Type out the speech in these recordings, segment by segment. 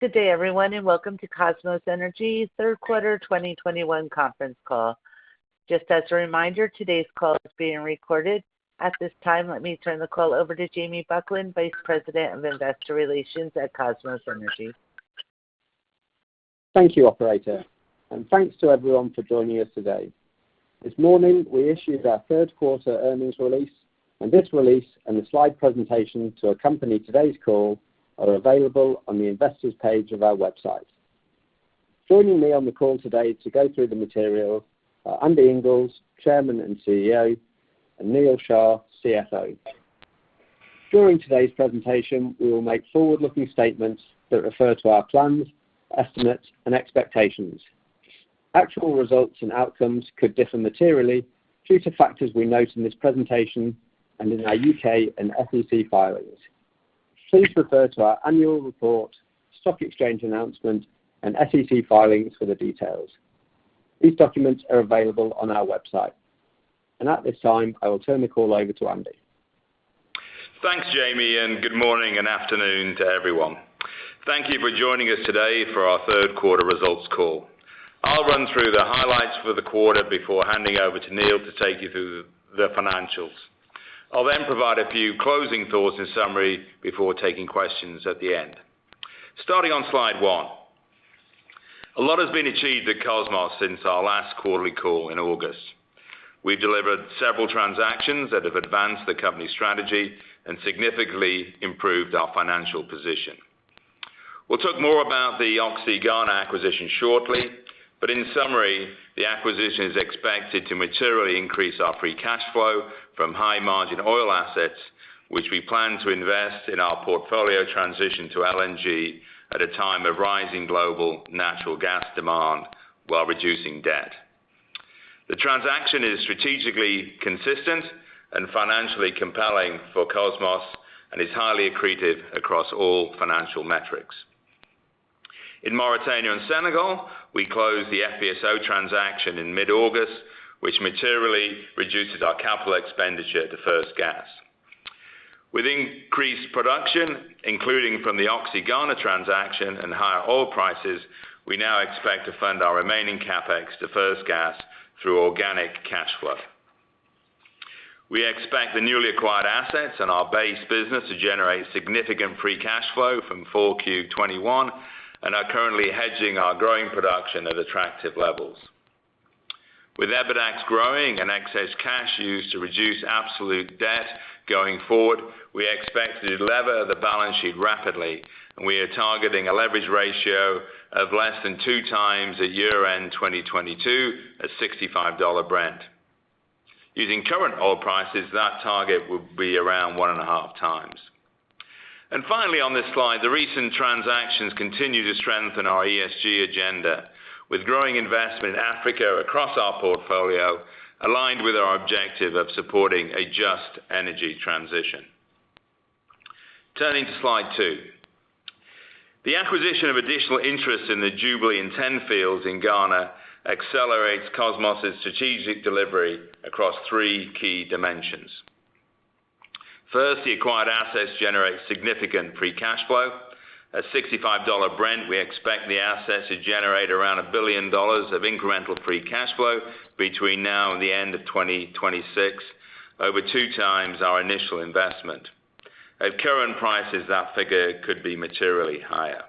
Good day, everyone, and welcome to Kosmos Energy third quarter 2021 conference call. Just as a reminder, today's call is being recorded. At this time, let me turn the call over to Jamie Buckland, Vice President of Investor Relations at Kosmos Energy. Thank you, operator, and thanks to everyone for joining us today. This morning, we issued our third quarter earnings release, and this release and the slide presentation to accompany today's call are available on the Investors page of our website. Joining me on the call today to go through the material are Andy Inglis, Chairman and CEO, and Neal Shah, CFO. During today's presentation, we will make forward-looking statements that refer to our plans, estimates, and expectations. Actual results and outcomes could differ materially due to factors we note in this presentation and in our U.K. and SEC filings. Please refer to our annual report, stock exchange announcement, and SEC filings for the details. These documents are available on our website. At this time, I will turn the call over to Andy. Thanks, Jamie, and good morning and afternoon to everyone. Thank you for joining us today for our third quarter results call. I'll run through the highlights for the quarter before handing over to Neal to take you through the financials. I'll then provide a few closing thoughts and summary before taking questions at the end. Starting on slide one. A lot has been achieved at Kosmos since our last quarterly call in August. We've delivered several transactions that have advanced the company strategy and significantly improved our financial position. We'll talk more about the Oxy Ghana acquisition shortly, but in summary, the acquisition is expected to materially increase our free cash flow from high-margin oil assets, which we plan to invest in our portfolio transition to LNG at a time of rising global natural gas demand while reducing debt. The transaction is strategically consistent and financially compelling for Kosmos and is highly accretive across all financial metrics. In Mauritania and Senegal, we closed the FPSO transaction in mid-August, which materially reduces our capital expenditure to first gas. With increased production, including from the Oxy Ghana transaction and higher oil prices, we now expect to fund our remaining CapEx to first gas through organic cash flow. We expect the newly acquired assets in our base business to generate significant free cash flow from full Q1 2021 and are currently hedging our growing production at attractive levels. With EBITDAX growing and excess cash used to reduce absolute debt going forward, we expect to delever the balance sheet rapidly, and we are targeting a leverage ratio of less than 2x at year-end 2022 at $65 Brent. Using current oil prices, that target would be around 1.5x. Finally, on this slide, the recent transactions continue to strengthen our ESG agenda. With growing investment in Africa across our portfolio, aligned with our objective of supporting a just energy transition. Turning to Slide two. The acquisition of additional interest in the Jubilee and TEN fields in Ghana accelerates Kosmos' strategic delivery across three key dimensions. First, the acquired assets generate significant free cash flow. At $65 Brent, we expect the assets to generate around $1 billion of incremental free cash flow between now and the end of 2026, over 2x our initial investment. At current prices, that figure could be materially higher.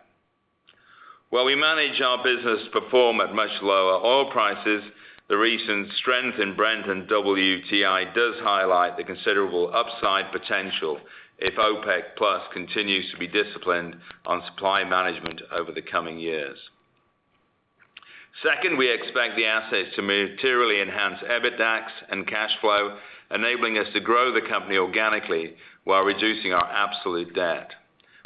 While we manage our business to perform at much lower oil prices, the recent strength in Brent and WTI does highlight the considerable upside potential if OPEC+ continues to be disciplined on supply management over the coming years. Second, we expect the assets to materially enhance EBITDAX and cash flow, enabling us to grow the company organically while reducing our absolute debt.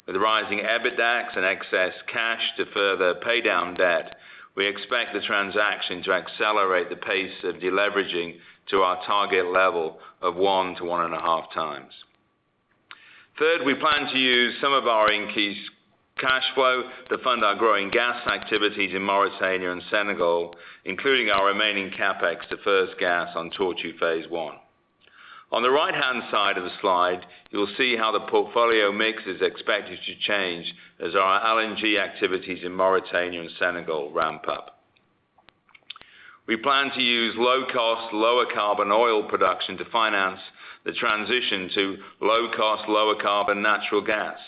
With rising EBITDAX and excess cash to further pay down debt, we expect the transaction to accelerate the pace of deleveraging to our target level of 1-1.5x. Third, we plan to use some of our increased cash flow to fund our growing gas activities in Mauritania and Senegal, including our remaining CapEx to first gas on Tortue Phase one. On the right-hand side of the slide, you'll see how the portfolio mix is expected to change as our LNG activities in Mauritania and Senegal ramp up. We plan to use low cost, lower carbon oil production to finance the transition to low cost, lower carbon natural gas,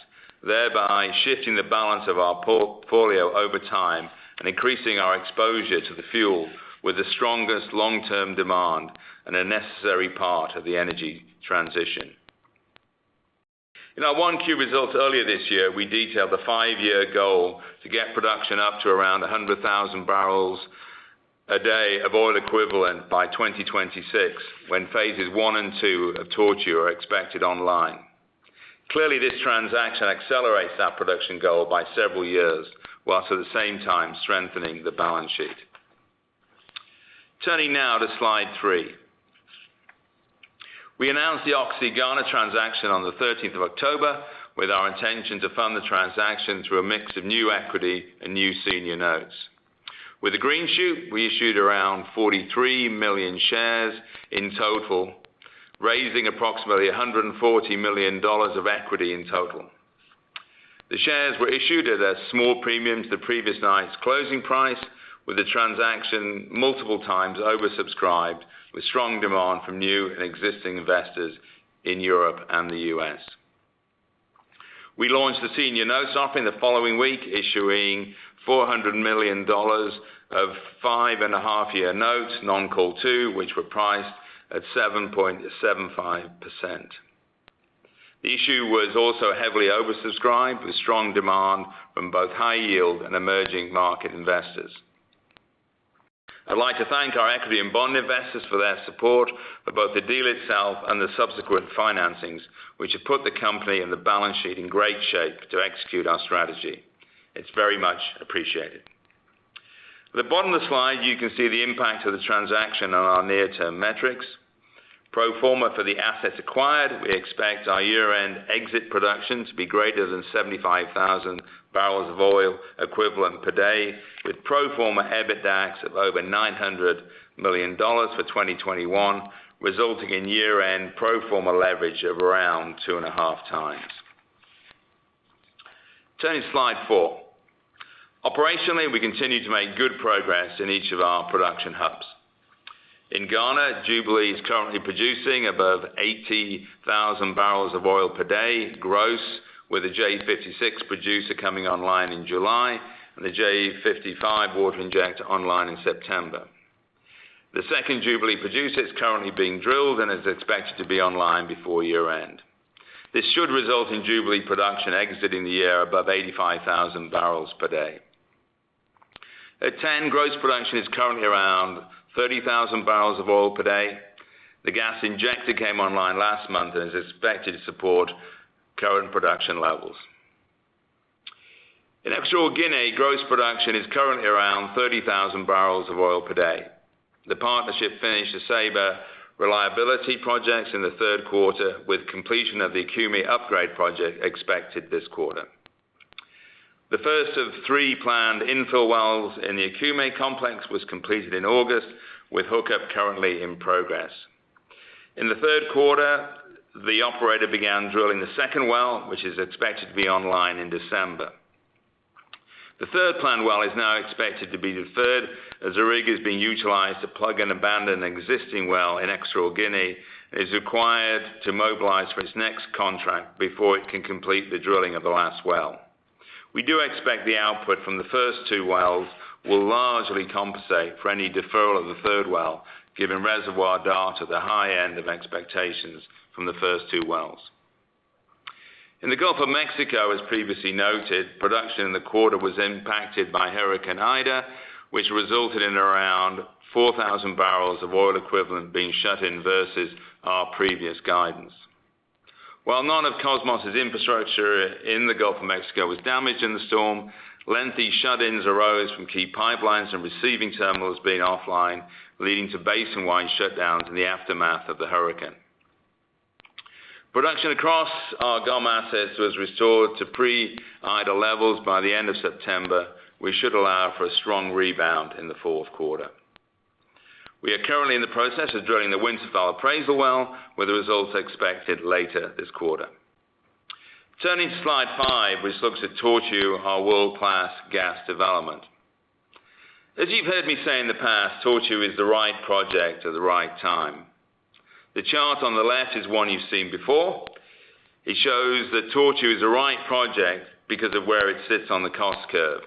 thereby shifting the balance of our portfolio over time and increasing our exposure to the fuel with the strongest long-term demand and a necessary part of the energy transition. In our 1Q results earlier this year, we detailed a five-year goal to get production up to around 100,000 bbl a day of oil equivalent by 2026, when phases 1 and 2 of Tortue are expected online. Clearly, this transaction accelerates that production goal by several years, while at the same time strengthening the balance sheet. Turning now to Slide three. We announced the Oxy Ghana transaction on the 13th of October with our intention to fund the transaction through a mix of new equity and new senior notes. With the greenshoe, we issued around 43 million shares in total, raising approximately $140 million of equity in total. The shares were issued at a small premium to the previous night's closing price, with the transaction multiple times oversubscribed, with strong demand from new and existing investors in Europe and the U.S. We launched the senior notes offering in the following week, issuing $400 million of 5.5-year notes, non-call 2, which were priced at 7.75%. The issue was also heavily oversubscribed, with strong demand from both high yield and emerging market investors. I'd like to thank our equity and bond investors for their support of both the deal itself and the subsequent financings, which have put the company and the balance sheet in great shape to execute our strategy. It's very much appreciated. At the bottom of the slide, you can see the impact of the transaction on our near-term metrics. Pro forma for the assets acquired, we expect our year-end exit production to be greater than 75,000 barrels of oil equivalent per day, with pro forma EBITDA of over $900 million for 2021, resulting in year-end pro forma leverage of around 2.5x. Turning to Slide four. Operationally, we continue to make good progress in each of our production hubs. In Ghana, Jubilee is currently producing above 80,000 bbl of oil per day gross, with a J-56 producer coming online in July and the J-55 water injector online in September. The second Jubilee producer is currently being drilled and is expected to be online before year-end. This should result in Jubilee production exiting the year above 85,000 barrels per day. TEN gross production is currently around 30,000 bbl of oil per day. The gas injector came online last month and is expected to support current production levels. In Equatorial Guinea, gross production is currently around 30,000 barrels of oil per day. The partnership finished the Ceiba reliability projects in the third quarter, with completion of the Okume upgrade project expected this quarter. The first of three planned infill wells in the Okume complex was completed in August, with hookup currently in progress. In the third quarter, the operator began drilling the second well, which is expected to be online in December. The third planned well is now expected to be the third, as the rig is being utilized to plug and abandon an existing well in Equatorial Guinea. It is required to mobilize for its next contract before it can complete the drilling of the last well. We do expect the output from the first two wells will largely compensate for any deferral of the third well, given reservoir data at the high end of expectations from the first two wells. In the Gulf of Mexico, as previously noted, production in the quarter was impacted by Hurricane Ida, which resulted in around 4,000 bbl of oil equivalent being shut in versus our previous guidance. While none of Kosmos' infrastructure in the Gulf of Mexico was damaged in the storm, lengthy shut-ins arose from key pipelines and receiving terminals being offline, leading to basin-wide shutdowns in the aftermath of the hurricane. Production across our GOM assets was restored to pre-Ida levels by the end of September. We should allow for a strong rebound in the fourth quarter. We are currently in the process of drilling the Winterfell appraisal well, with the results expected later this quarter. Turning to Slide five, which looks at Tortue, our world-class gas development. As you've heard me say in the past, Tortue is the right project at the right time. The chart on the left is one you've seen before. It shows that Tortue is the right project because of where it sits on the cost curve.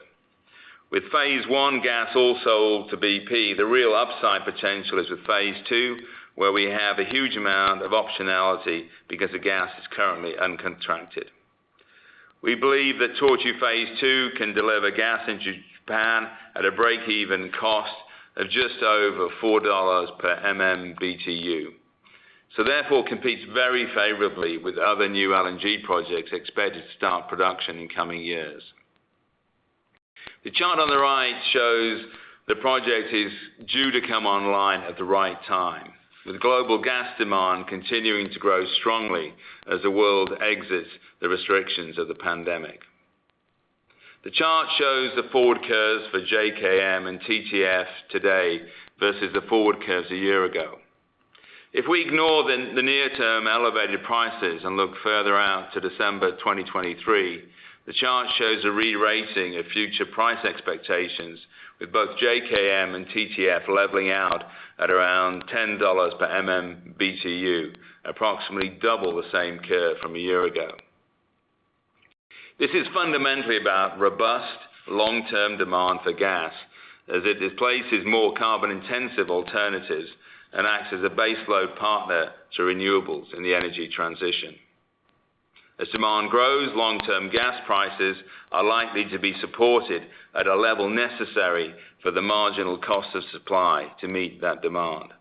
With Phase one gas all sold to BP, the real upside potential is with Phase two, where we have a huge amount of optionality because the gas is currently uncontracted. We believe that Tortue Phase two can deliver gas into Japan at a break-even cost of just over $4 per MMBtu. It competes very favorably with other new LNG projects expected to start production in coming years. The chart on the right shows the project is due to come online at the right time, with global gas demand continuing to grow strongly as the world exits the restrictions of the pandemic. The chart shows the forward curves for JKM and TTF today versus the forward curves a year ago. If we ignore the near-term elevated prices and look further out to December 2023, the chart shows a rerating of future price expectations with both JKM and TTF leveling out at around $10 per MMBtu, approximately double the same curve from a year ago. This is fundamentally about robust long-term demand for gas as it displaces more carbon-intensive alternatives and acts as a baseload partner to renewables in the energy transition. As demand grows, long-term gas prices are likely to be supported at a level necessary for the marginal cost of supply to meet that demand.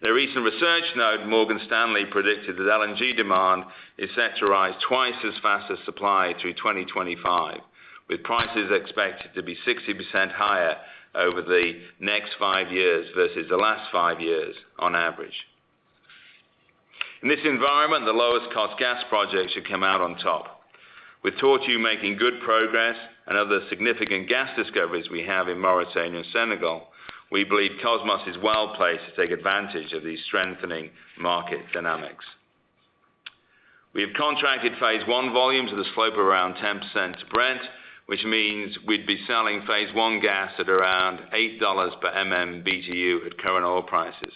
In a recent research note, Morgan Stanley predicted that LNG demand is set to rise twice as fast as supply through 2025, with prices expected to be 60% higher over the next five years versus the last five years on average. In this environment, the lowest cost gas project should come out on top. With Tortue making good progress and other significant gas discoveries we have in Mauritania, Senegal, we believe Kosmos is well-placed to take advantage of these strengthening market dynamics. We have contracted Phase one volumes of the slope around 10% to Brent, which means we'd be selling Phase one gas at around $8 per MMBtu at current oil prices.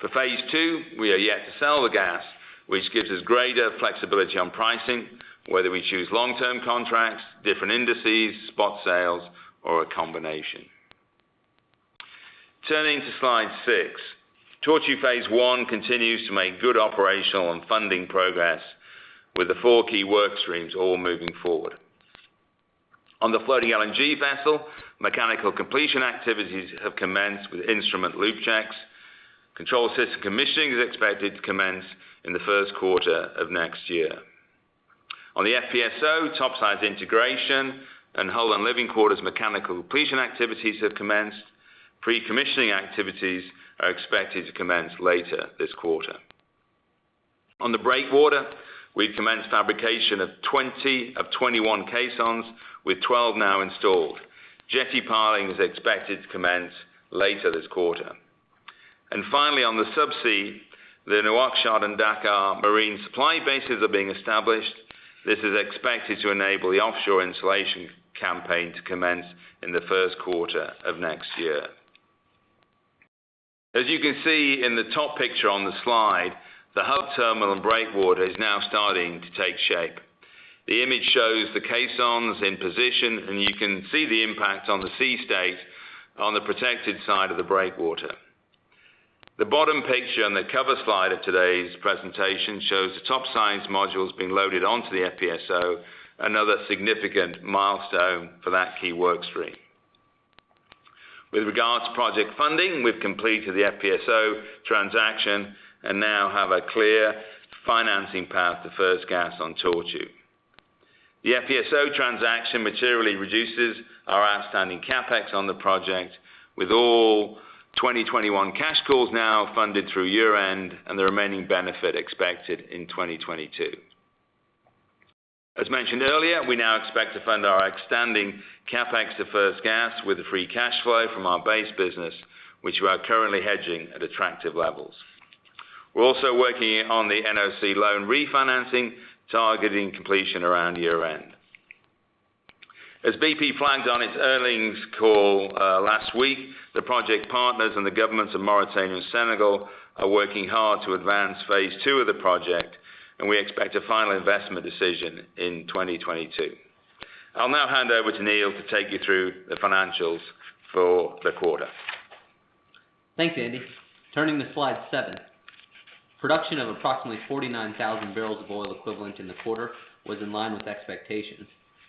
For Phase two, we are yet to sell the gas, which gives us greater flexibility on pricing, whether we choose long-term contracts, different indices, spot sales, or a combination. Turning to Slide six, Tortue Phase one continues to make good operational and funding progress with the four key work streams all moving forward. On the floating LNG vessel, mechanical completion activities have commenced with instrument loop checks. Control system commissioning is expected to commence in the first quarter of next year. On the FPSO, topsides integration and hull and living quarters mechanical completion activities have commenced. Pre-commissioning activities are expected to commence later this quarter. On the breakwater, we've commenced fabrication of 20 of 21 caissons, with 12 now installed. Jetty piling is expected to commence later this quarter. Finally, on the subsea, the Nouakchott and Dakar marine supply bases are being established. This is expected to enable the offshore installation campaign to commence in the first quarter of next year. As you can see in the top picture on the slide, the hub terminal and breakwater is now starting to take shape. The image shows the caissons in position, and you can see the impact on the sea state on the protected side of the breakwater. The bottom picture on the cover slide of today's presentation shows the topside modules being loaded onto the FPSO, another significant milestone for that key work stream. With regards to project funding, we've completed the FPSO transaction and now have a clear financing path to first gas on Tortue. The FPSO transaction materially reduces our outstanding CapEx on the project, with all 2021 cash calls now funded through year-end and the remaining benefit expected in 2022. As mentioned earlier, we now expect to fund our outstanding CapEx to first gas with the free cash flow from our base business, which we are currently hedging at attractive levels. We're also working on the NOC loan refinancing, targeting completion around year-end. As BP flagged on its earnings call last week, the project partners and the governments of Mauritania and Senegal are working hard to advance Phase two of the project, and we expect a final investment decision in 2022. I'll now hand over to Neal to take you through the financials for the quarter. Thanks, Andy. Turning to slide seven. Production of approximately 49,000 bbl of oil equivalent in the quarter was in line with expectations,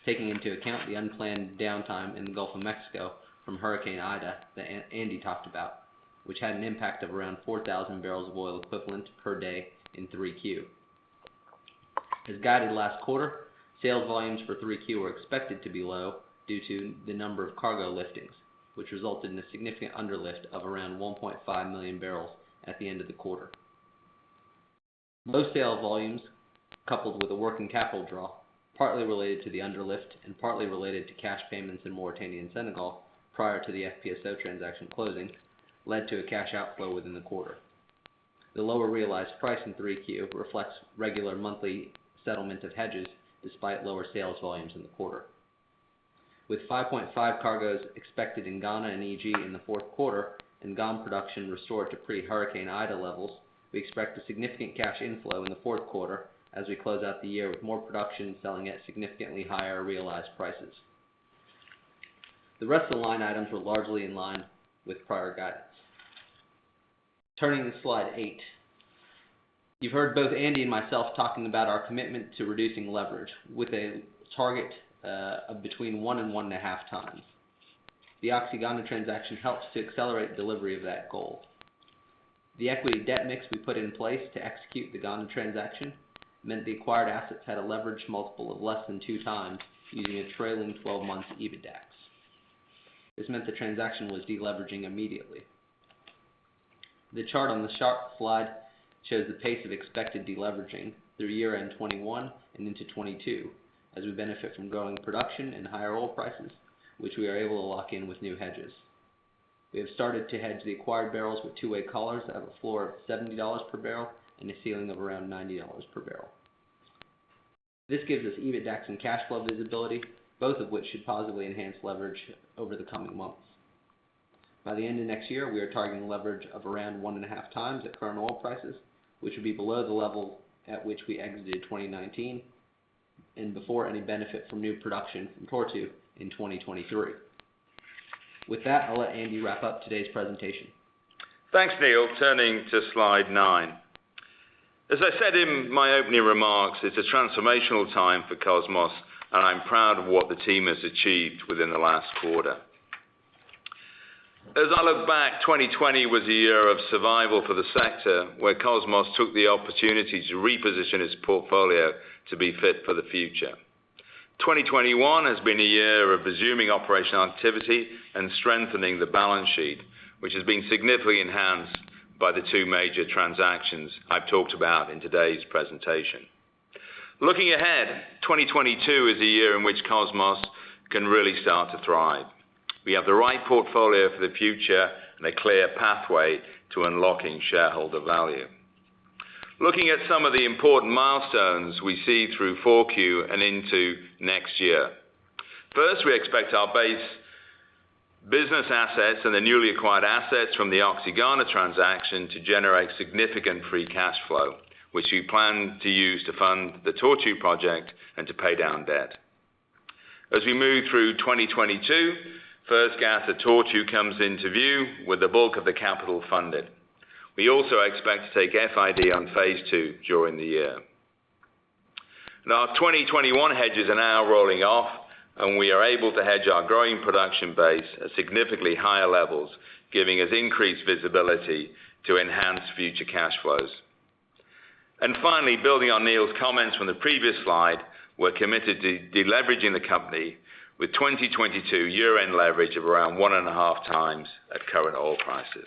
taking into account the unplanned downtime in the Gulf of Mexico from Hurricane Ida that Andy talked about, which had an impact of around 4,000 bbl of oil equivalent per day in 3Q. As guided last quarter, sales volumes for 3Q were expected to be low due to the number of cargo liftings, which resulted in a significant underlift of around 1.5 million bbl at the end of the quarter. Low sales volumes, coupled with a working capital draw, partly related to the underlift and partly related to cash payments in Mauritania and Senegal prior to the FPSO transaction closing, led to a cash outflow within the quarter. The lower realized price in 3Q reflects regular monthly settlement of hedges despite lower sales volumes in the quarter. With 5.5 cargos expected in Ghana and EG in the fourth quarter and Ghana production restored to pre-Hurricane Ida levels, we expect a significant cash inflow in the fourth quarter as we close out the year with more production selling at significantly higher realized prices. The rest of the line items were largely in line with prior guidance. Turning to Slide eight. You've heard both Andy and myself talking about our commitment to reducing leverage with a target of between 1 and 1.5x. The Oxy Ghana transaction helps to accelerate delivery of that goal. The equity debt mix we put in place to execute the Ghana transaction meant the acquired assets had a leverage multiple of less than 2x using a trailing twelve months EBITDAX. This meant the transaction was deleveraging immediately. The chart on the sharp slide shows the pace of expected deleveraging through year-end 2021 and into 2022, as we benefit from growing production and higher oil prices, which we are able to lock in with new hedges. We have started to hedge the acquired barrels with two-way collars that have a floor of $70 per barrel and a ceiling of around $90 per barrel. This gives us EBITDAX and cash flow visibility, both of which should positively enhance leverage over the coming months. By the end of next year, we are targeting leverage of around 1.5x at current oil prices, which would be below the level at which we exited 2019 and before any benefit from new production from Tortue in 2023. With that, I'll let Andy wrap up today's presentation. Thanks, Neal. Turning to Slide nine. As I said in my opening remarks, it's a transformational time for Kosmos, and I'm proud of what the team has achieved within the last quarter. As I look back, 2020 was a year of survival for the sector, where Kosmos took the opportunity to reposition its portfolio to be fit for the future. 2021 has been a year of resuming operational activity and strengthening the balance sheet, which has been significantly enhanced by the two major transactions I've talked about in today's presentation. Looking ahead, 2022 is a year in which Kosmos can really start to thrive. We have the right portfolio for the future and a clear pathway to unlocking shareholder value. Looking at some of the important milestones we see through 4Q and into next year. First, we expect our base business assets and the newly acquired assets from the Oxy Ghana transaction to generate significant free cash flow, which we plan to use to fund the Tortue project and to pay down debt. As we move through 2022, first gas at Tortue comes into view with the bulk of the capital funded. We also expect to take FID on Phase two during the year. Now, our 2021 hedges are now rolling off, and we are able to hedge our growing production base at significantly higher levels, giving us increased visibility to enhance future cash flows. Finally, building on Neal's comments from the previous slide, we're committed to deleveraging the company with 2022 year-end leverage of around 1.5x at current oil prices.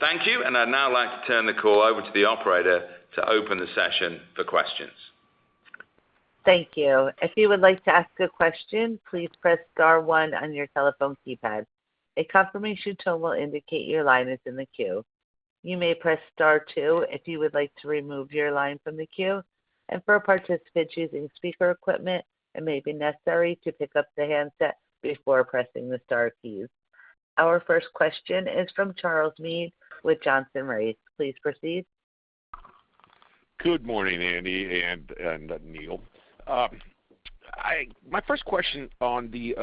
Thank you. I'd now like to turn the call over to the Operator to open the session for questions. Our first question is from Charles Meade with Johnson Rice. Please proceed. Good morning, Andy and Neal. My first question on the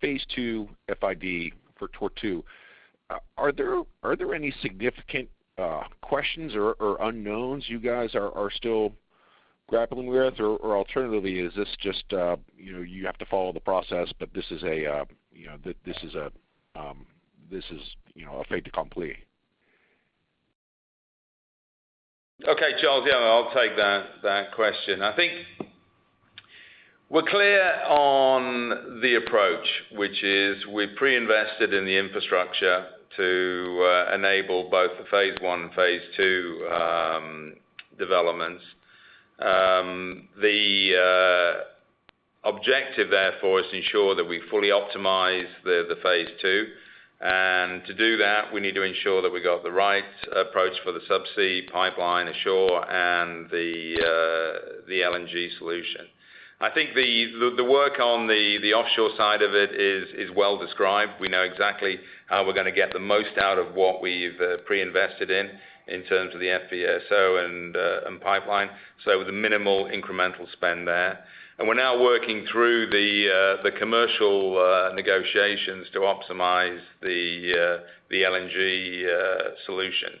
Phase two FID for Tortue. Are there any significant questions or unknowns you guys are still grappling with? Alternatively, is this just you know you have to follow the process, but this is a you know this is a fait accompli? Okay, Charles. Yeah, I'll take that question. I think we're clear on the approach, which is we pre-invested in the infrastructure to enable both the Phase one and Phase two developments. The objective, therefore, is to ensure that we fully optimize the Phase two. To do that, we need to ensure that we've got the right approach for the subsea pipeline ashore and the LNG solution. I think the work on the offshore side of it is well described. We know exactly how we're gonna get the most out of what we've pre-invested in terms of the FPSO and pipeline. With a minimal incremental spend there. We're now working through the commercial negotiations to optimize the LNG solution.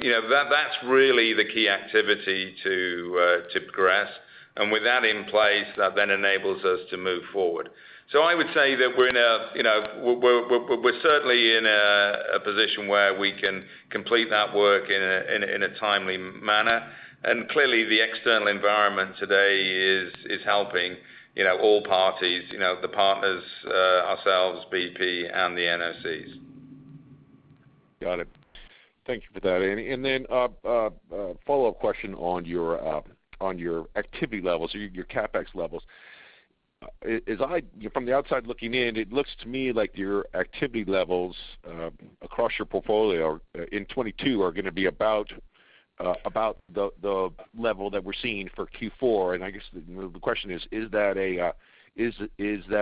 You know, that's really the key activity to progress. With that in place, that then enables us to move forward. I would say that you know, we're certainly in a position where we can complete that work in a timely manner. Clearly, the external environment today is helping, you know, all parties, you know, the partners, ourselves, BP, and the NOCs. Got it. Thank you for that, Andy. A follow-up question on your activity levels or your CapEx levels. From the outside looking in, it looks to me like your activity levels across your portfolio in 2022 are gonna be about the level that we're seeing for Q4. I guess the question is that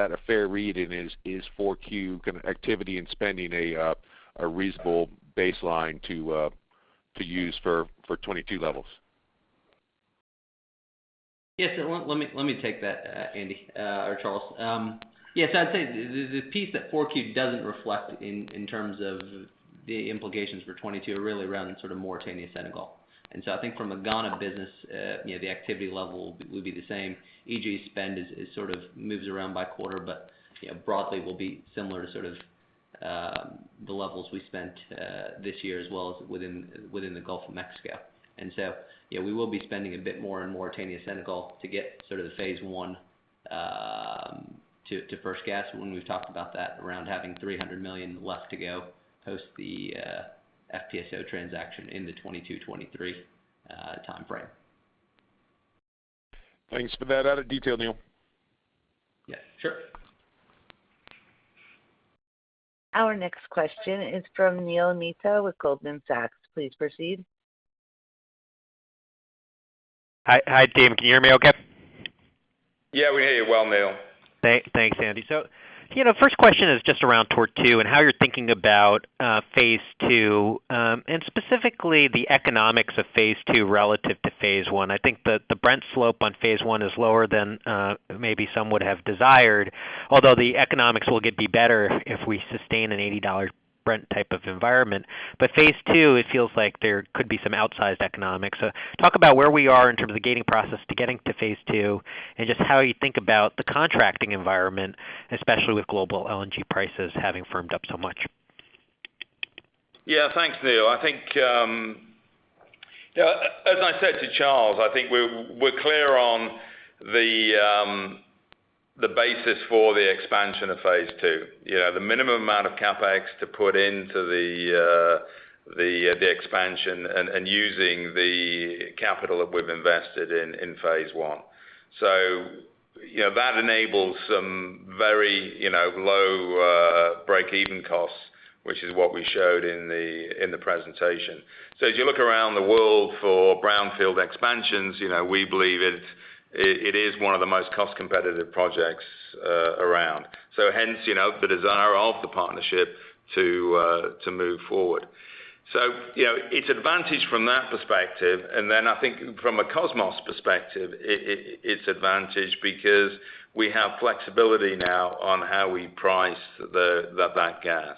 a fair read? Is Q4 activity and spending a reasonable baseline to use for 2022 levels? Yes. Let me take that, Andy, or Charles. Yes, I'd say the piece that 4Q doesn't reflect in terms of the implications for 2022 are really around in sort of Mauritania, Senegal. I think from a Ghana business, you know, the activity level would be the same. EG spend is sort of moves around by quarter, but, you know, broadly will be similar to sort of the levels we spent this year as well as within the Gulf of Mexico. Yeah, we will be spending a bit more in Mauritania, Senegal to get sort of the Phase one to first gas. When we've talked about that around having $300 million left to go post the FPSO transaction in the 2022, 2023 timeframe. Thanks for that added detail, Neal. Yeah, sure. Our next question is from Neil Mehta with Goldman Sachs. Please proceed. Hi. Hi, Dave. Can you hear me okay? Yeah, we hear you well, Neil. Thanks, Andy. You know, first question is just around Tortue and how you're thinking about Phase two, and specifically the economics of Phase two relative to Phase one. I think the Brent slope on Phase one is lower than maybe some would have desired, although the economics will be better if we sustain an $80 Brent type of environment. Phase two, it feels like there could be some outsized economics. Talk about where we are in terms of the gating process to getting to Phase two and just how you think about the contracting environment, especially with global LNG prices having firmed up so much. Yeah. Thanks, Neil. I think, as I said to Charles, I think we're clear on the basis for the expansion of Phase two. You know, the minimum amount of CapEx to put into the expansion and using the capital that we've invested in Phase one. That enables some very low break-even costs, which is what we showed in the presentation. As you look around the world for brownfield expansions, you know, we believe it is one of the most cost-competitive projects around. Hence, you know, the desire of the partnership to move forward. You know, its advantage from that perspective. I think from a Kosmos perspective, it's advantage because we have flexibility now on how we price the back gas.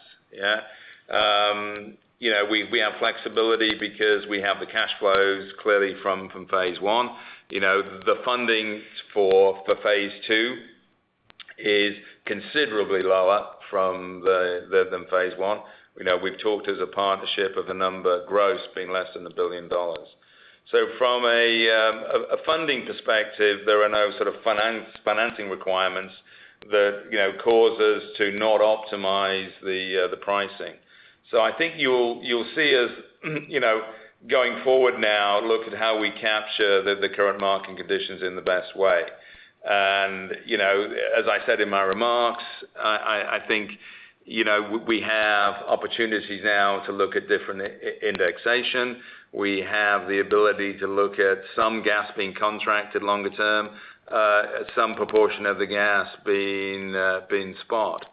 You know, we have flexibility because we have the cash flows clearly from Phase one. You know, the funding for Phase two is considerably lower than Phase one. You know, we've talked as a partnership of the number gross being less than $1 billion. From a funding perspective, there are no sort of financing requirements that cause us to not optimize the pricing. I think you'll see us going forward now look at how we capture the current market conditions in the best way. You know, as I said in my remarks, I think, you know, we have opportunities now to look at different indexation. We have the ability to look at some gas being contracted longer term, some proportion of the gas being spot.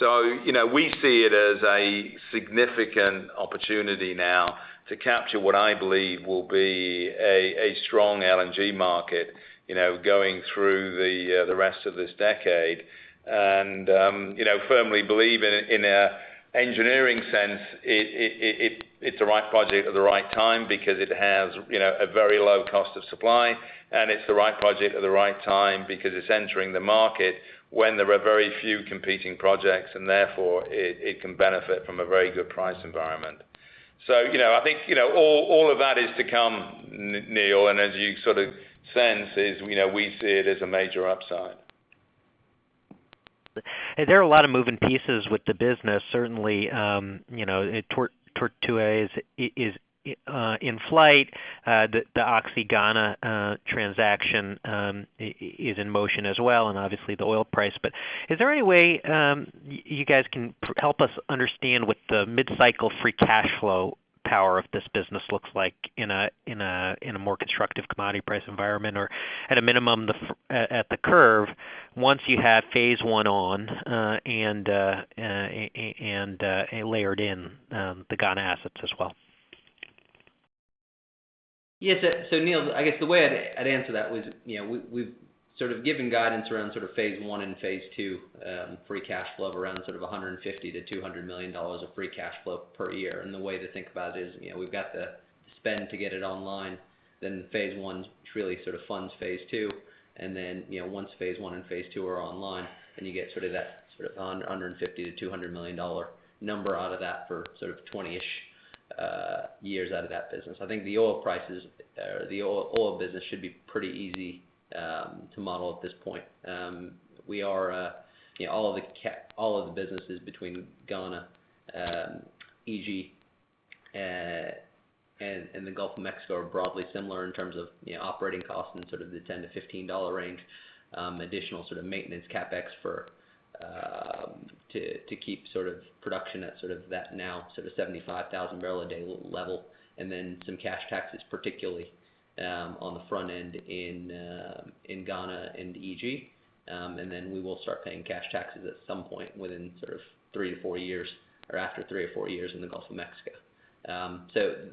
You know, we see it as a significant opportunity now to capture what I believe will be a strong LNG market, you know, going through the rest of this decade. You know, firmly believe in an engineering sense, it's the right project at the right time because it has, you know, a very low cost of supply, and it's the right project at the right time because it's entering the market when there are very few competing projects, and therefore, it can benefit from a very good price environment. You know, I think, you know, all of that is to come, Neil, and as you sort of sense is, you know, we see it as a major upside. Are there a lot of moving pieces with the business? Certainly, you know, Tortue is in flight. The Oxy Ghana transaction is in motion as well, and obviously the oil price. But is there any way you guys can help us understand what the mid-cycle free cash flow power of this business looks like in a more constructive commodity price environment? Or at a minimum, at the curve once you have Phase one on, and layered in the Ghana assets as well. Yes. Neil, I guess the way I'd answer that was, you know, we've sort of given guidance around sort of Phase one and Phase two, free cash flow of around sort of $150-$200 million of free cash flow per year. The way to think about it is, you know, we've got the spend to get it online, then Phase one really sort of funds Phase two. Then, you know, once Phase one and Phase two are online, then you get sort of that sort of $150-$200 million number out of that for sort of 20-ish years out of that business. I think the oil prices, the oil business should be pretty easy to model at this point. We are, you know, all of the businesses between Ghana, Egypt, and the Gulf of Mexico are broadly similar in terms of, you know, operating costs in sort of the $10-$15 range. Additional sort of maintenance CapEx to keep sort of production at sort of that now sort of 75,000 barrel a day level, and then some cash taxes, particularly on the front end in Ghana and Egypt. We will start paying cash taxes at some point within sort of 3-4 years or after 3-4 years in the Gulf of Mexico.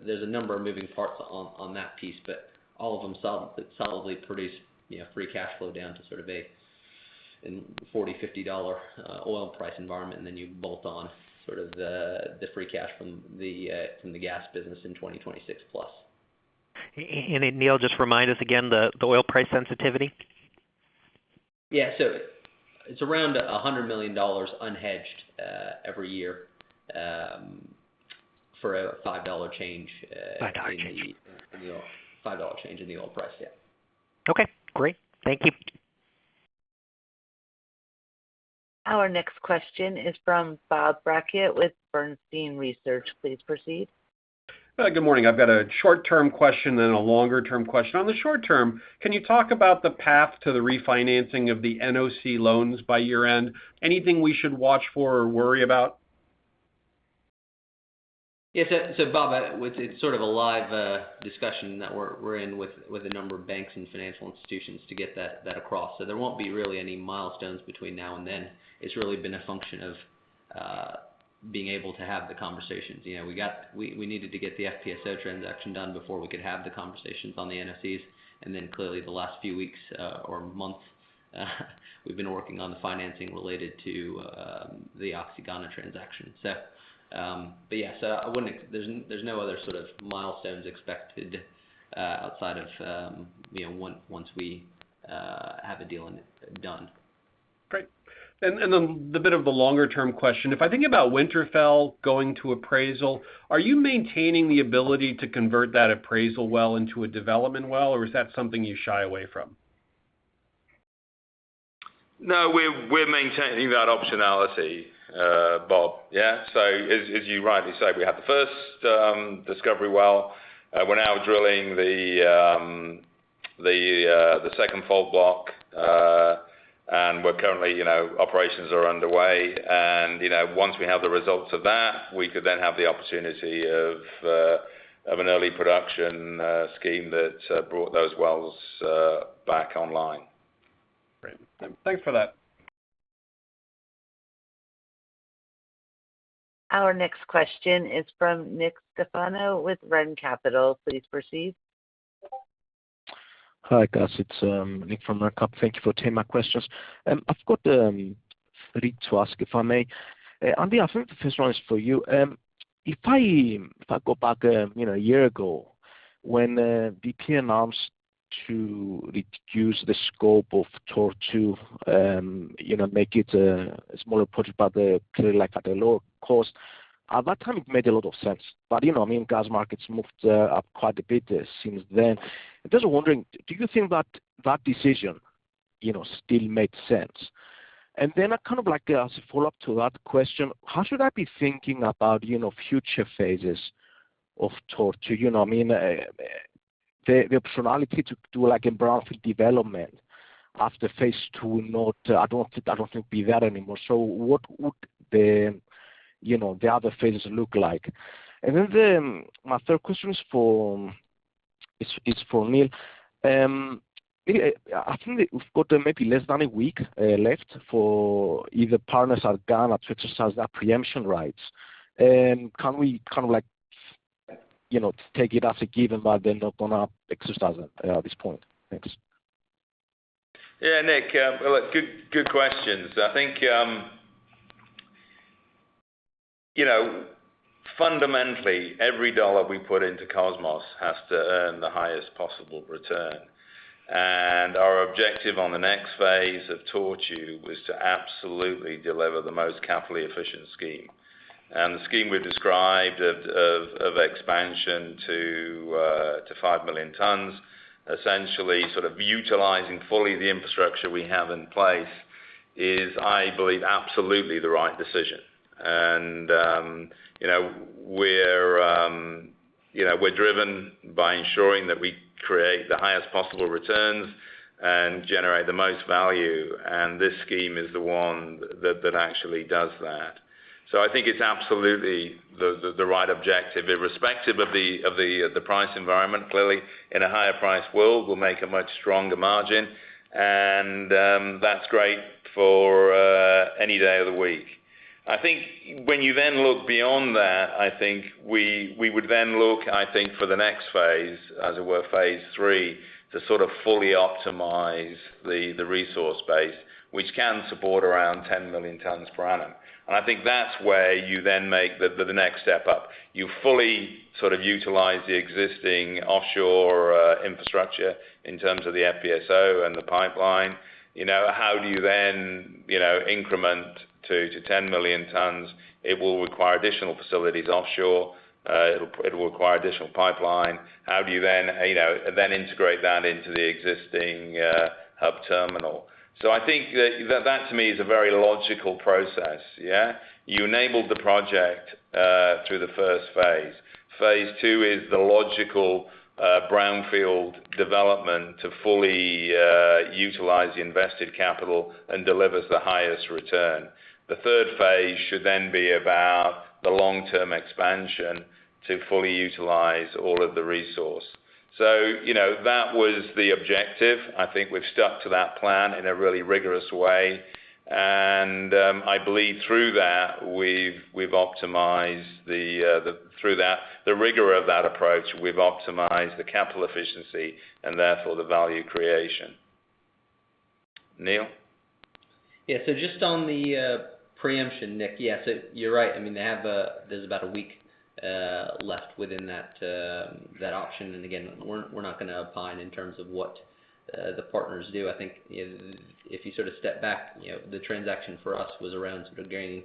There's a number of moving parts on that piece, but all of them solidly produce, you know, free cash flow down to sort of a $40-$50 oil price environment. Then you bolt on sort of the free cash from the gas business in 2026+. Neal, just remind us again the oil price sensitivity. Yeah. It's around $100 million unhedged every year for a $5 change. $5 change... in the oil. $5 change in the oil price, yeah. Okay, great. Thank you. Our next question is from Bob Brackett with Bernstein Research. Please proceed. Good morning. I've got a short-term question, then a longer term question. On the short-term, can you talk about the path to the refinancing of the NOC loans by year-end? Anything we should watch for or worry about? Yes. Bob, it's sort of a live discussion that we're in with a number of banks and financial institutions to get that across. There won't be really any milestones between now and then. It's really been a function of being able to have the conversations. You know, we needed to get the FPSO transaction done before we could have the conversations on the NOC. And then clearly the last few weeks or months we've been working on the financing related to the Oxy Ghana transaction. But yes, I wouldn't. There's no other sort of milestones expected outside of, you know, once we have a deal and done. Great. The bit of the longer term question. If I think about Winterfell going to appraisal, are you maintaining the ability to convert that appraisal well into a development well, or is that something you shy away from? No, we're maintaining that optionality, Bob. Yeah. As you rightly said, we have the first discovery well. We're now drilling the second fault block. We're currently, you know, operations are underway. You know, once we have the results of that, we could then have the opportunity of an early production scheme that brought those wells back online. Great. Thanks for that. Our next question is from Nick Stefano with Renaissance Capital. Please proceed. Hi, guys. It's Nick. Thank you for taking my questions. I've got three to ask, if I may. Andy, I think the first one is for you. If I go back, you know, a year ago when BP announced to reduce the scope of Tortue, you know, make it a smaller project, but clearly like at a lower cost. At that time, it made a lot of sense. You know, I mean, gas markets moved up quite a bit since then. Just wondering, do you think that decision, you know, still made sense? Then I kind of like as a follow-up to that question, how should I be thinking about, you know, future phases of Tortue? You know, I mean, the optionality to do like a brownfield development after Phase two. I don't think it'll be that anymore. What would the other phases look like? Then, my third question is for Neal. I think we've got maybe less than a week left for either partners or Ghana to exercise their preemption rights. Can we kind of like, you know, take it as a given that they're not gonna exercise it at this point? Thanks. Yeah, Nick. Good questions. I think, you know, fundamentally, every dollar we put into Kosmos has to earn the highest possible return. Our objective on the next phase of Tortue was to absolutely deliver the most capitally efficient scheme. The scheme we've described of expansion to 5 million tons, essentially sort of utilizing fully the infrastructure we have in place is, I believe, absolutely the right decision. You know, we're driven by ensuring that we create the highest possible returns and generate the most value, and this scheme is the one that actually does that. I think it's absolutely the right objective, irrespective of the price environment. Clearly, in a higher price world, we'll make a much stronger margin, and that's great for any day of the week. I think when you then look beyond that, I think we would then look, I think, for the next phase, as it were, Phase three, to sort of fully optimize the resource base, which can support around 10 million tons per annum. I think that's where you then make the next step up. You fully sort of utilize the existing offshore infrastructure in terms of the FPSO and the pipeline. You know, how do you then increment to 10 million tons? It will require additional facilities offshore. It'll require additional pipeline. How do you then integrate that into the existing hub terminal? I think that to me is a very logical process, yeah. You enabled the project through the first phase. Phase two is the logical brownfield development to fully utilize the invested capital and delivers the highest return. The third phase should then be about the long-term expansion to fully utilize all of the resource. You know, that was the objective. I think we've stuck to that plan in a really rigorous way. I believe through that, the rigor of that approach, we've optimized the capital efficiency and therefore the value creation. Neal? Yeah. Just on the preemption, Nick. Yes, you're right. I mean, they have, there's about a week left within that option. Again, we're not gonna opine in terms of what the partners do. I think if you sort of step back, you know, the transaction for us was around sort of gaining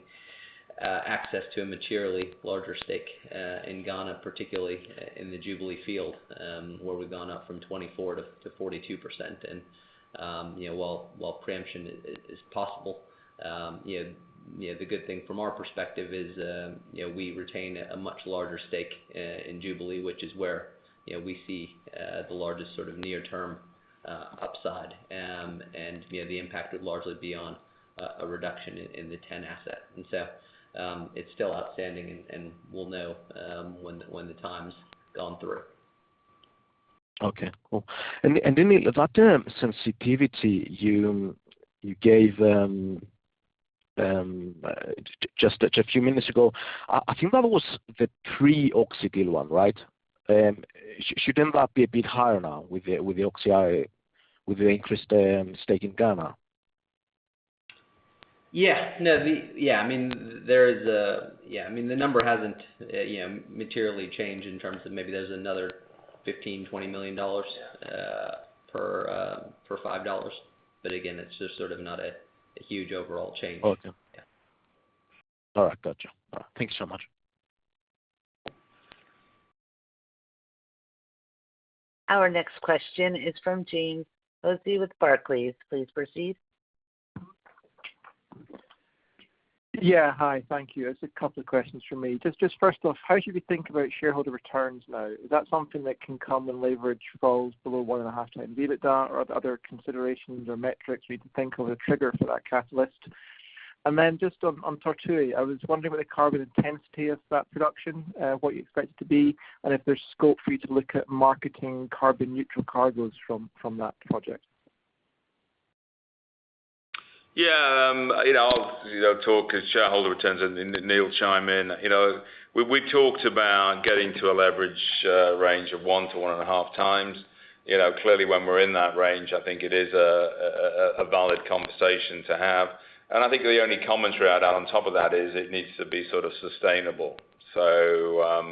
access to a materially larger stake in Ghana, particularly in the Jubilee field, where we've gone up from 24% to 42%. You know, while preemption is possible, you know, the good thing from our perspective is, you know, we retain a much larger stake in Jubilee, which is where, you know, we see the largest sort of near-term upside. You know, the impact would largely be on a reduction in the TEN asset. It's still outstanding and we'll know when the time's gone through. Okay, cool. Then Neal, that sensitivity you gave just a few minutes ago, I think that was the pre-Oxy deal one, right? Shouldn't that be a bit higher now with the increased stake in Ghana? Yeah. No, I mean, the number hasn't, you know, materially changed in terms of maybe there's another $15-$20 million per $5. But again, it's just sort of not a huge overall change. Okay. Yeah. All right. Gotcha. All right. Thank you so much. Our next question is from James Hosie with Barclays. Please proceed. Yeah. Hi. Thank you. It's a couple of questions from me. Just first off, how should we think about shareholder returns now? Is that something that can come when leverage falls below 1.5x EBITDA, or are there other considerations or metrics we need to think of a trigger for that catalyst? Just on Tortue, I was wondering what the carbon intensity of that production, what you expect it to be, and if there's scope for you to look at marketing carbon neutral cargos from that project. Yeah. You know, I'll, you know, talk about shareholder returns and Neal chime in. You know, we talked about getting to a leverage range of 1-1.5x. You know, clearly when we're in that range, I think it is a valid conversation to have. I think the only commentary I'd add on top of that is it needs to be sort of sustainable. How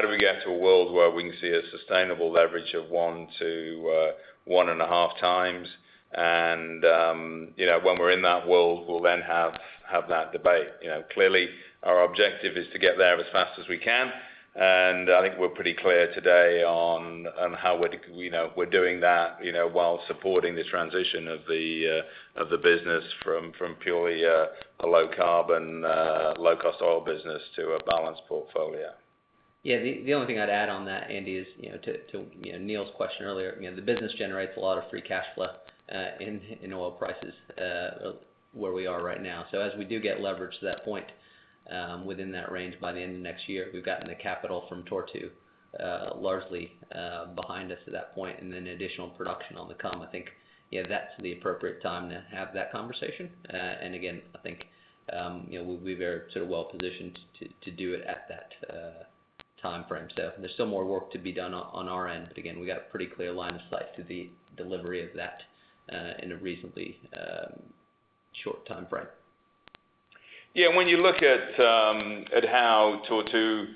do we get to a world where we can see a sustainable leverage of 1-1.5x? You know, when we're in that world, we'll then have that debate. You know, clearly our objective is to get there as fast as we can, and I think we're pretty clear today on how we're doing that, you know, while supporting the transition of the business from purely a low carbon, low-cost oil business to a balanced portfolio. Yeah. The only thing I'd add on that, Andy, is, you know, to Neal's question earlier, you know, the business generates a lot of free cash flow in oil prices where we are right now. As we do get leverage to that point within that range by the end of next year, we've gotten the capital from Tortue largely behind us at that point, and then additional production on the come. I think, yeah, that's the appropriate time to have that conversation. And again, I think, you know, we'll be very sort of well-positioned to do it at that timeframe. So there's still more work to be done on our end, but again, we got a pretty clear line of sight to the delivery of that in a reasonably short timeframe. Yeah. When you look at how Tortue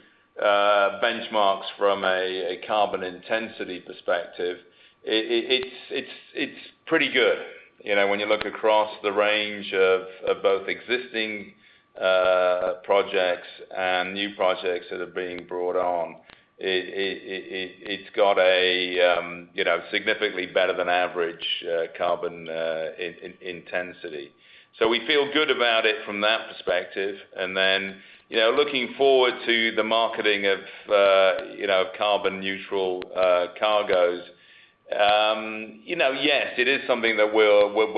benchmarks from a carbon intensity perspective, it's pretty good. You know, when you look across the range of both existing projects and new projects that are being brought on, it's got a significantly better than average carbon intensity. We feel good about it from that perspective. Looking forward to the marketing of carbon neutral cargos, yes, it is something that we're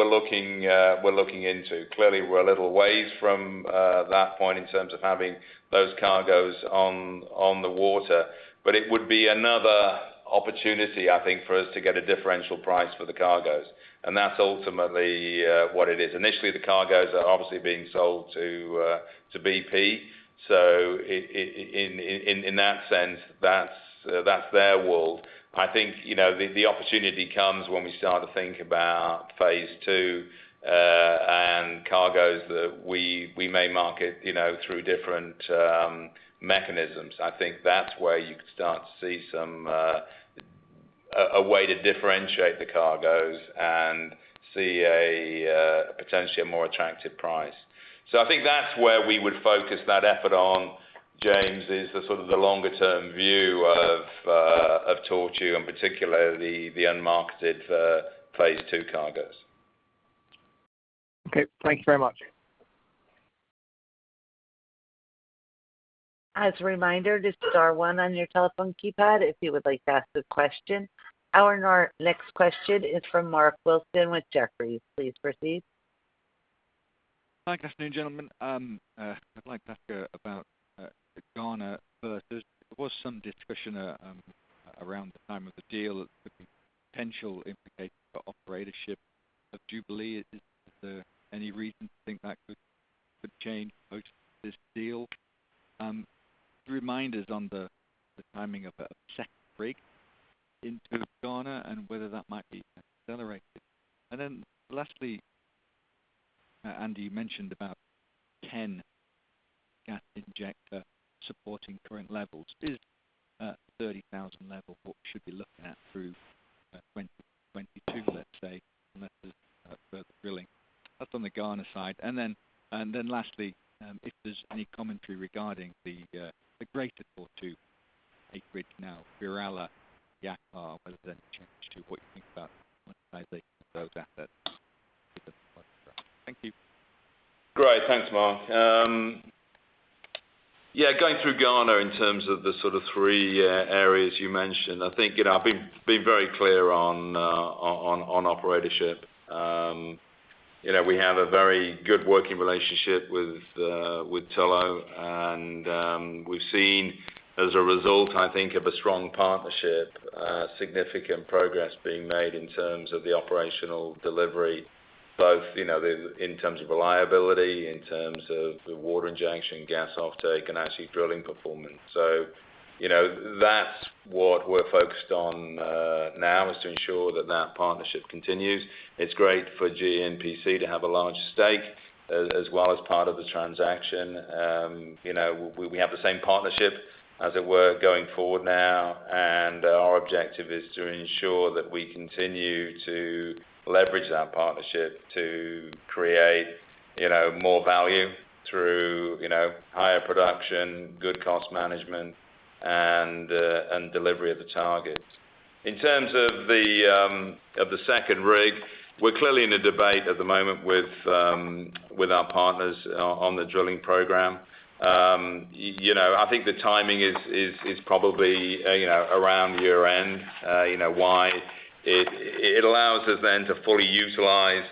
looking into. Clearly, we're a little ways from that point in terms of having those cargos on the water. It would be another opportunity, I think, for us to get a differential price for the cargos. That's ultimately what it is. Initially, the cargos are obviously being sold to BP. In that sense, that's their world. I think, you know, the opportunity comes when we start to think about Phase two and cargos that we may market, you know, through different mechanisms. I think that's where you can start to see some way to differentiate the cargos and see a potentially more attractive price. I think that's where we would focus that effort on, James, is the sort of longer-term view of Tortue, and particularly the unmarketed Phase two cargos. Okay. Thank you very much. As a reminder, just Star one on your telephone keypad if you would like to ask a question. Our next question is from Mark Wilson with Jefferies. Please proceed. Hi. Good afternoon, gentlemen. I'd like to ask about Ghana first. There was some discussion around the time of the deal of the potential implications for operatorship of Jubilee. Is there any reason to think that could change post this deal? Could you remind us on the timing of a second rig into Ghana and whether that might be accelerated? Lastly, Andy, you mentioned about 10 gas injectors supporting current levels. Is 30,000 level what we should be looking at through 2022, let's say, unless there's further drilling? That's on the Ghana side. Lastly, if there's any commentary regarding the Greater Tortue acreage now, BirAllah, Yakaar, whether there's any change to what you think about monetization of those assets. Thank you. Great. Thanks, Mark. Yeah, going through Ghana in terms of the sort of three areas you mentioned. I think, you know, I've been very clear on operatorship. You know, we have a very good working relationship with Tullow. We've seen as a result, I think, of a strong partnership, significant progress being made in terms of the operational delivery, both, you know, in terms of reliability, in terms of the water injection, gas offtake, and actually drilling performance. You know, that's what we're focused on now is to ensure that that partnership continues. It's great for GNPC to have a large stake as well as part of the transaction. You know, we have the same partnership as it were going forward now, and our objective is to ensure that we continue to leverage that partnership to create, you know, more value through, you know, higher production, good cost management and delivery of the targets. In terms of the second rig, we're clearly in a debate at the moment with our partners on the drilling program. You know, I think the timing is probably around year-end. You know, why? It allows us then to fully utilize,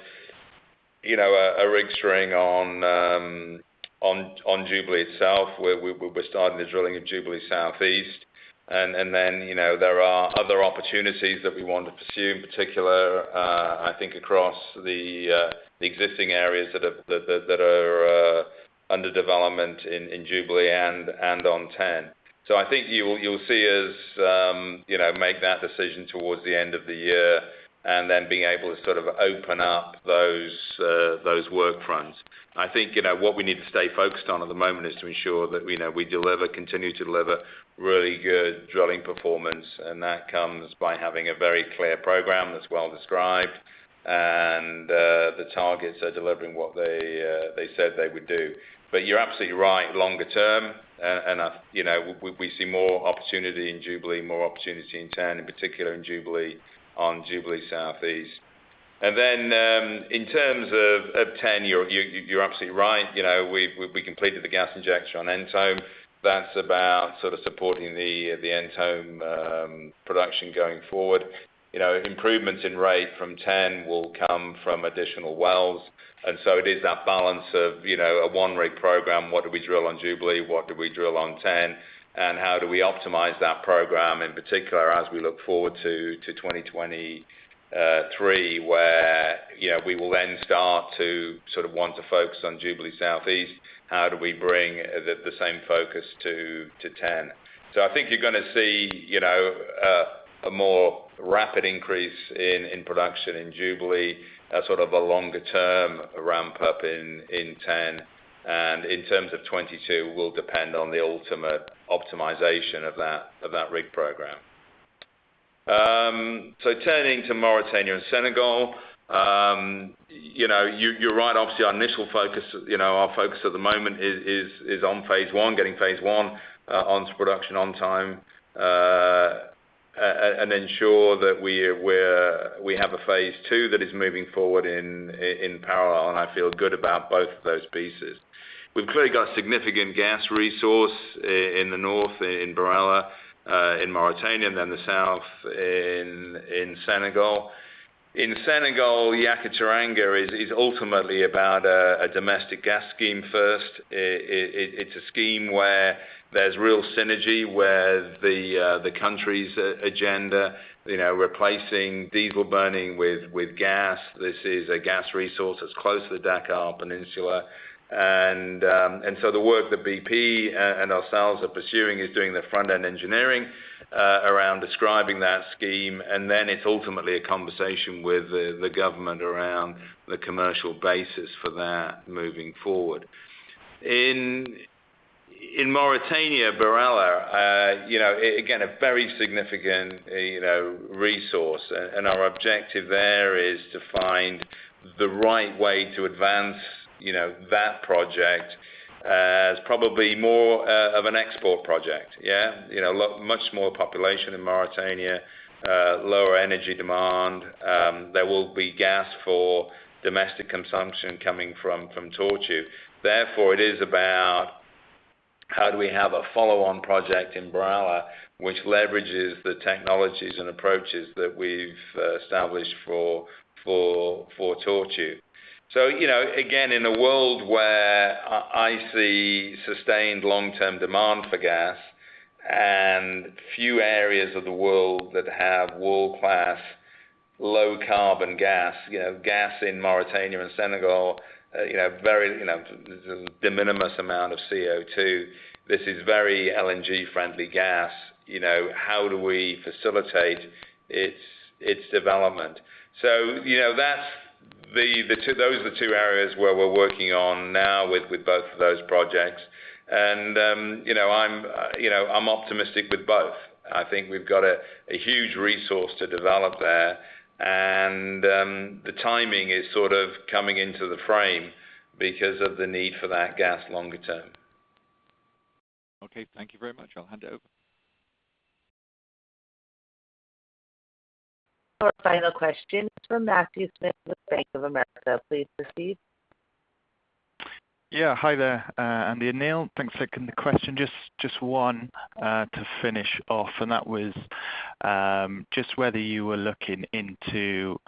you know, a rig string on Jubilee itself, where we're starting the drilling at Jubilee South East. You know, there are other opportunities that we want to pursue, in particular, I think across the existing areas that are under development in Jubilee and on TEN. I think you'll see us, you know, make that decision towards the end of the year and then being able to sort of open up those work fronts. I think, you know, what we need to stay focused on at the moment is to ensure that, you know, we deliver, continue to deliver really good drilling performance. That comes by having a very clear program that's well described. The targets are delivering what they said they would do. You're absolutely right, longer term, and I, you know, we see more opportunity in Jubilee, more opportunity in TEN, in particular in Jubilee, on Jubilee South East. Then, in terms of TEN, you're absolutely right. You know, we've completed the gas injection on Ntomme. That's about supporting the Ntomme production going forward. You know, improvements in rate from TEN will come from additional wells. So it is that balance of, you know, a one rig program. What do we drill on Jubilee? What do we drill on TEN? And how do we optimize that program, in particular as we look forward to 2023, where, you know, we will then start to want to focus on Jubilee South East. How do we bring the same focus to TEN? I think you're gonna see, you know, a more rapid increase in production in Jubilee, sort of a longer term ramp up in TEN. In terms of 2022 will depend on the ultimate optimization of that rig program. Turning to Mauritania and Senegal. You know, you're right. Obviously, our initial focus, you know, our focus at the moment is on Phase one, getting Phase one onto production on time and ensure that we have a Phase two that is moving forward in parallel, and I feel good about both of those pieces. We've clearly got significant gas resource in the north, in BirAllah, in Mauritania and then the south in Senegal. In Senegal, Yakaar-Teranga is ultimately about a domestic gas scheme first. It's a scheme where there's real synergy with the country's agenda, you know, replacing diesel burning with gas. This is a gas resource that's close to the Dakar Peninsula. The work that BP and ourselves are pursuing is doing the front-end engineering around describing that scheme. Then it's ultimately a conversation with the government around the commercial basis for that moving forward. In Mauritania, BirAllah, you know, a very significant resource. Our objective there is to find the right way to advance, you know, that project. It's probably more of an export project, yeah. You know, much lower population in Mauritania, lower energy demand. There will be gas for domestic consumption coming from Tortue. Therefore, it is about how do we have a follow-on project in BirAllah which leverages the technologies and approaches that we've established for Tortue. You know, again, in a world where I see sustained long-term demand for gas and few areas of the world that have world-class low carbon gas, you know, gas in Mauritania and Senegal, you have very, you know, de minimis amount of CO2. This is very LNG-friendly gas. You know, how do we facilitate its development? You know, that's the two, those are the two areas where we're working on now with both of those projects. You know, I'm optimistic with both. I think we've got a huge resource to develop there. The timing is sort of coming into the frame because of the need for that gas longer term. Okay, thank you very much. I'll hand it over. Our final question is from Matthew Smith with Bank of America. Please proceed. Yeah. Hi there, Andy and Neal. Thanks for taking the question. Just one to finish off, and that was just whether you were looking into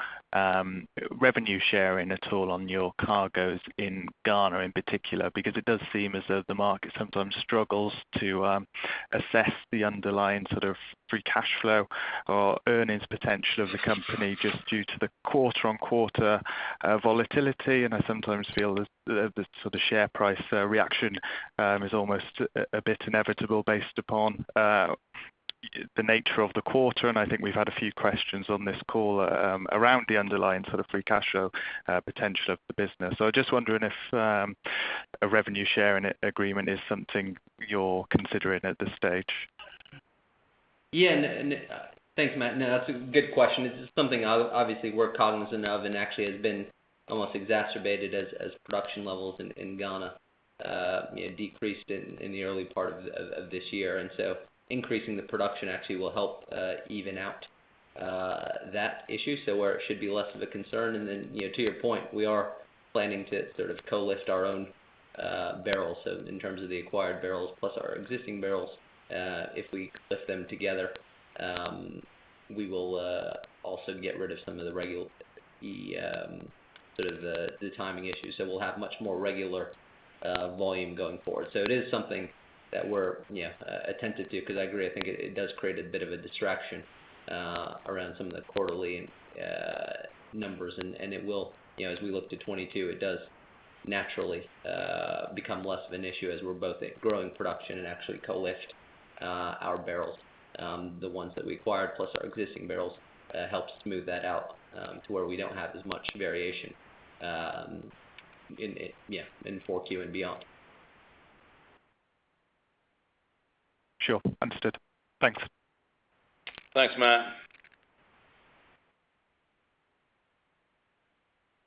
revenue sharing at all on your cargoes in Ghana in particular, because it does seem as though the market sometimes struggles to assess the underlying sort of free cash flow or earnings potential of the company just due to the quarter-over-quarter volatility. I sometimes feel the sort of share price reaction is almost a bit inevitable based upon the nature of the quarter. I think we've had a few questions on this call around the underlying sort of free cash flow potential of the business. Just wondering if a revenue sharing agreement is something you're considering at this stage. Yeah. Thanks, Matt. No, that's a good question. It's something obviously we're cognizant of and actually has been almost exacerbated as production levels in Ghana, you know, decreased in the early part of this year. Increasing the production actually will help even out that issue. It should be less of a concern. You know, to your point, we are planning to sort of co-lift our own barrels. In terms of the acquired barrels plus our existing barrels, if we lift them together, we will also get rid of the sort of timing issues. We'll have much more regular volume going forward. It is something that we're attentive to because I agree, I think it does create a bit of a distraction around some of the quarterly numbers. It will, you know, as we look to 2022, it does naturally become less of an issue as we're both growing production and actually co-lift our barrels. The ones that we acquired plus our existing barrels helps smooth that out to where we don't have as much variation in 4Q and beyond. Sure. Understood. Thanks. Thanks, Matt.